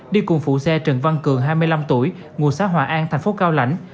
đi cùng phụ xe trần văn cường hai mươi năm tuổi ngụ xã hòa an thành phố cao lãnh